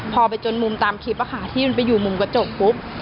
พอไปจนมุมตามคลิปที่มันไปอยู่มุมกระจกปุ๊บ